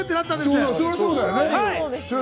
そりゃそうだよね。